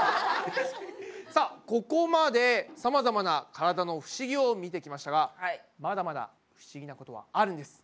さあここまでさまざまなからだの不思議を見てきましたがまだまだ不思議なことはあるんです。